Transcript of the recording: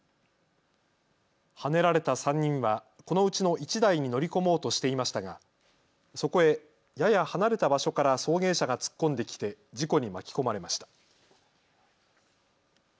はねられた３人はこのうちの１台に乗り込もうとしていましたがそこへやや離れた場所から送迎車が突っ込んできて事故に巻き込まれました。